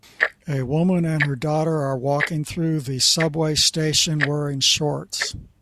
A woman and her daughter are walking through the subway station wearing shorts